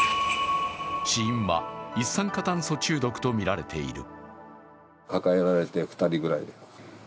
死因は一酸化炭素中毒とみられている。